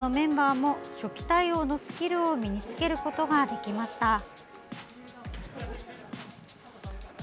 この訓練で、初めてのメンバーも初期対応のスキルを身につけることができました。